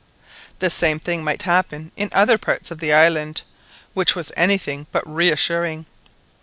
The same thing might happen in other parts of the island, which was anything but reassuring.